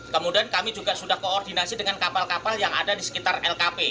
kemudian kami juga sudah koordinasi dengan kapal kapal yang ada di sekitar lkp